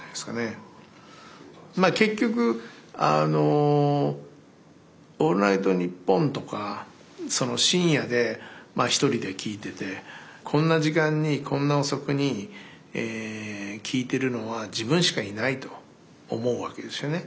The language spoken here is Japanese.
結局あの「オールナイトニッポン」とか深夜で１人で聴いててこんな時間にこんな遅くに聴いてるのは自分しかいないと思うわけですよね。